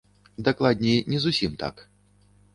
Дакладней, не зусім так.